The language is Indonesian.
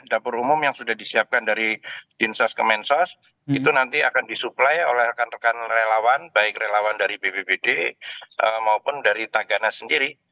dapur umum yang sudah disiapkan dari dinsos kemensos itu nanti akan disuplai oleh rekan rekan relawan baik relawan dari bpbd maupun dari tagana sendiri